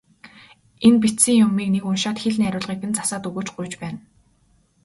Энэ бичсэн юмыг нэг уншаад хэл найруулгыг нь засаад өгөөч, гуйж байна.